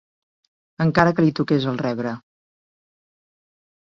...encara que li toqués el rebre